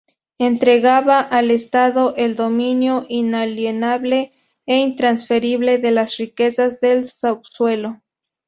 Entregaba al Estado el dominio inalienable e intransferible de las riquezas del subsuelo.